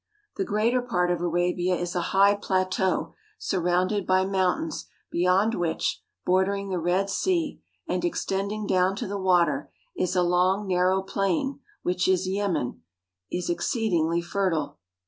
The greater part of Arabia is a high plateau surrounded by mountains beyond which, bordering the Red Sea, and extending down to the water, is a long, narrow plain, which in Yemen (yem'en) is ex ceedingly fertile.